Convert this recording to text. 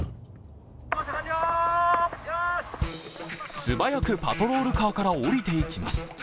素早くパトロールカーから降りていきます。